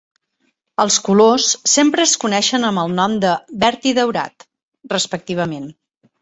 Els colors sempre es coneixen amb el nom de "verd i daurat", respectivament.